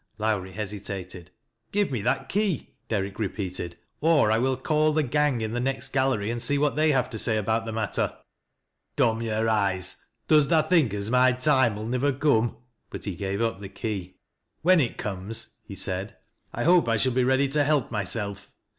Lowrie hesitated. " Give me that key," Derrick repeated, " cr I will call the gang in the next gallery and see what they have to say about the matter." " Dom yore eyes ! does tha think as my toime '11 niwer eo.m?" But he gave up the key. " Wlien it comes," he said, " I hope I shall be ready to help myself.